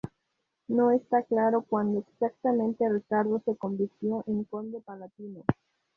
No está claro cuándo exactamente Ricardo se convirtió en conde palatino.